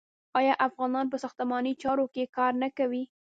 آیا افغانان په ساختماني چارو کې کار نه کوي؟